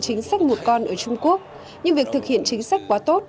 chính sách một con ở trung quốc nhưng việc thực hiện chính sách quá tốt